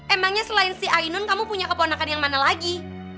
emangnya selain si ainun kamu punya keponakan yang mana lagi